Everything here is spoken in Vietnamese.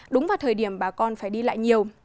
đúng vào thời điểm bà con phải đi lại nhiều